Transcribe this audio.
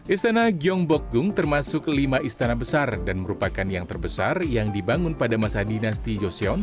istana gyeongbokgung termasuk lima istana besar dan merupakan yang terbesar yang dibangun pada masa dinasti yoseon